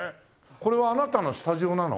これはあなたのスタジオなの？